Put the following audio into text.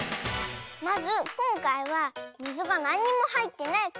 まずこんかいはみずがなんにもはいってないコップ。